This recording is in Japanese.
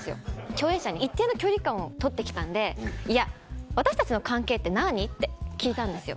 共演者に一定の距離感を取って来たんでいや私たちの関係って何？って聞いたんですよ。